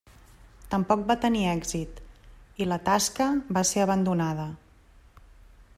Tampoc va tenir èxit, i la tasca va ser abandonada.